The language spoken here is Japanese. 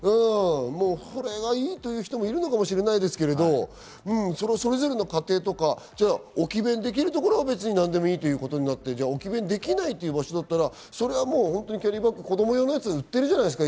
これがいいという人もいるかもしれないですけど、それぞれの家庭とか置き勉できるところは何でもいいということで置き勉できないというところならキャリーバッグ、子ども用のやつ売ってるじゃないですか。